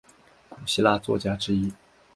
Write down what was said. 古希腊作家之一。